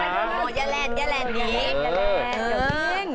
อย่าแรนหนีอย่าแรนอย่าแรน